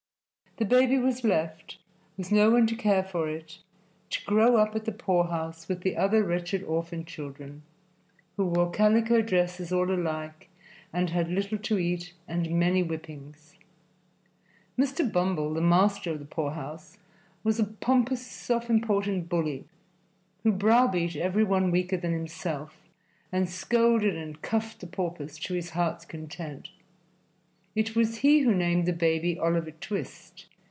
The baby was left, with no one to care for it, to grow up at the poorhouse with the other wretched orphan children, who wore calico dresses all alike and had little to eat and many whippings. Mr. Bumble, the master of the poorhouse, was a pompous, self important bully who browbeat every one weaker than himself and scolded and cuffed the paupers to his heart's content. It was he who named the baby "Oliver Twist."